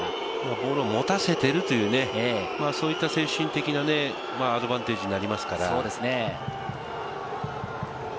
ボールを持たせているという精神的なアドバンテージになりますから。